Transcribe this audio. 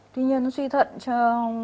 tuy nhiên suy thận trong